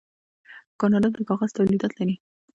کاناډا د کاغذ تولیدات لري.